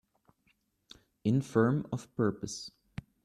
Infirm of purpose